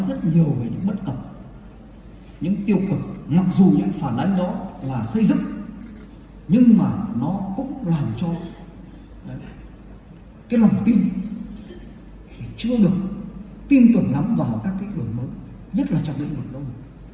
chúng ta nói rất nhiều về những bất cập những tiêu cực mặc dù những phản ánh đó là xây dựng nhưng mà nó cũng làm cho cái lòng tin chưa được tin tưởng lắm vào các kết luận mới nhất là trong lĩnh vực lâu